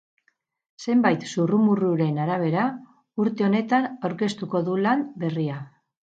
Zenbait zurrumurruren arabera, urte honetan aurkeztuko du lan berria.